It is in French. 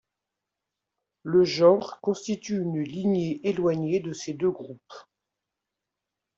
Le genre constitue une lignée éloignée de ces deux groupes.